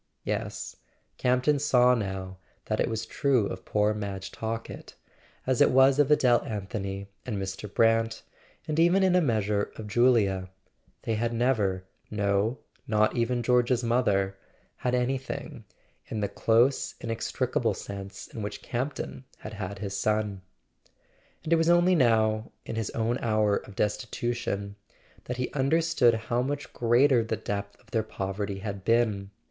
Yes; Campton saw now that it was true of poor Madge Talkett, as it was of Adele Anthony and Mr. Brant, and even in a measure of Julia. They had never —no, not even George's mother—had anything, in the close inextricable sense in which Campton had had his son. And it was only now, in his own hour of destitu¬ tion, that he understood how much greater the depth of their poverty had been.